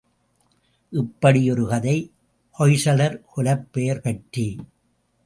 இப்படி ஒரு கதை ஹொய்சலர் குலப்பெயர் பற்றி.